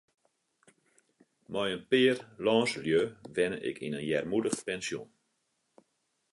Mei in pear lânslju wenne ik yn in earmoedich pensjon.